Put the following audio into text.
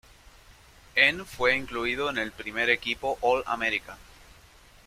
En fue incluido en el primer equipo All-American.